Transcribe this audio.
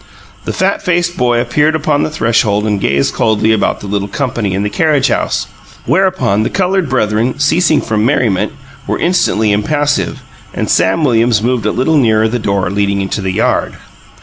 The fat faced boy appeared upon the threshold and gazed coldly about the little company in the carriage house, whereupon the coloured brethren, ceasing from merriment, were instantly impassive, and Sam Williams moved a little nearer the door leading into the yard.